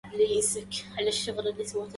وجوب طاعة الوالدين